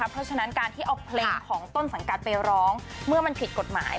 เพราะฉะนั้นการที่เอาเพลงของต้นสังกัดไปร้องเมื่อมันผิดกฎหมาย